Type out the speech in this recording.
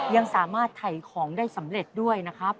ยังสามารถถ่ายของได้สำเร็จด้วยนะครับ